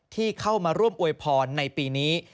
ที่เข้ามาร่วมอวยพรในปีนี้